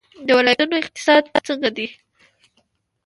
د ولایتونو اقتصاد څنګه دی؟